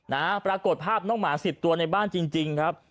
นะครับปรากฏภาพน้องหมา๑๐ตัวในบ้านจริงครับ